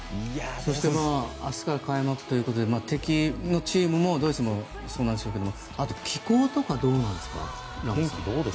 そして明日から開幕ということで敵のドイツのチームもそうなんですけどあと、気候とかはどうなんですか？